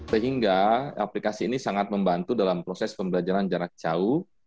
sehingga aplikasi ini sangat membantu dalam proses pembelajaran jarak jauh